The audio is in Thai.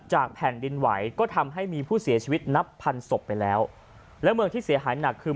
แผ่นดินไหวก็ทำให้มีผู้เสียชีวิตนับพันศพไปแล้วแล้วเมืองที่เสียหายหนักคือ